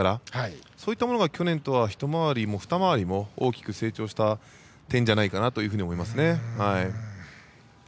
そういったものが去年とはひと回りも、ふた回りも大きく成長した点じゃないかなと思います。